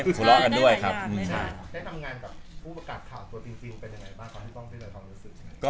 แล้วมุกโลบะยังดีเหมือนเดิมไหมครับ